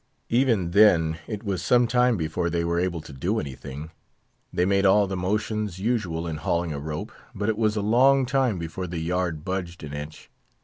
Even then, it was some time before they were able to do anything. They made all the motions usual in hauling a rope, but it was a long time before the yard budged an inch.